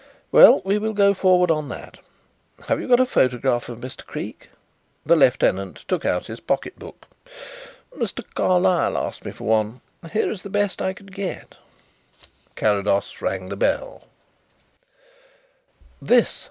Well, we will go forward on that. Have you got a photograph of Mr. Creake?" The lieutenant took out his pocket book. "Mr. Carlyle asked me for one. Here is the best I could get." Carrados rang the bell.